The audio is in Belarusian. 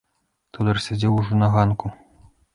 Тодар сядзеў ужо на ганку.